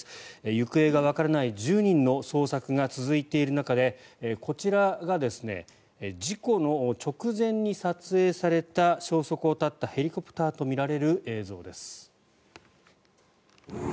行方がわからない１０人の捜索が続いている中でこちらが事故の直前に撮影された消息を絶ったヘリコプターとみられる映像です。